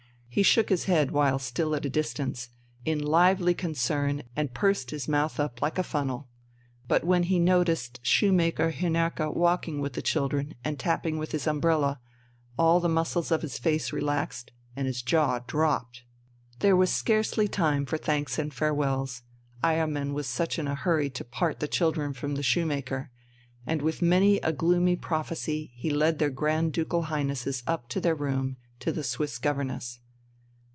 He shook his head while still at a distance, in lively concern, and pursed his mouth up like a funnel. But when he noticed Shoemaker Hinnerke walking with the children and tapping with his umbrella, all the muscles of his face relaxed and his jaw dropped. There was scarcely time for thanks and farewells, Eiermann was in such a hurry to part the children from the shoemaker. And with many a gloomy prophecy he led their Grand Ducal Highnesses up to their room to the Swiss governess.